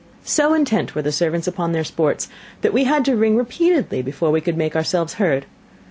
So intent were the servants upon their sports, that we had to ring repeatedly before we could make ourselves heard.